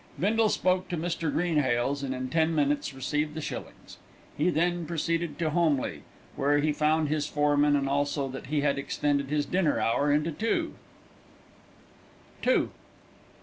Bindle spoke to Mr. Greenhales, and in ten minutes received five shillings. He then proceeded to Holmleigh, where he found his foreman, and also that he had extended his dinner hour into two.